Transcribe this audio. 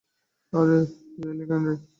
–আরে তুই এলি কেন রে!